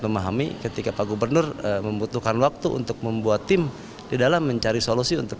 memahami ketika pak gubernur membutuhkan waktu untuk membuat tim di dalam mencari solusi untuk